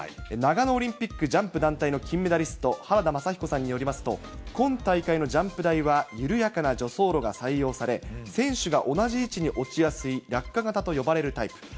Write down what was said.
長野オリンピックジャンプ団体の金メダリスト、原田雅彦さんによりますと、今大会のジャンプ台は緩やかな助走路が採用され、選手が同じ位置に落ちやすい落下型と呼ばれるタイプ。